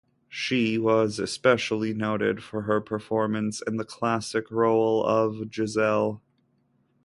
She was especially noted for her performance in the classic role of "Giselle".